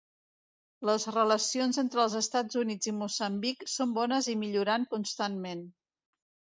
Les relacions entre els Estats Units i Moçambic són bones i millorant constantment.